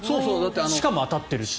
しかも当たってるし。